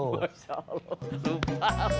masya allah lupa weh